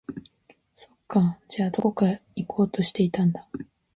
そっか、じゃあ、どこか行こうとしていたんだ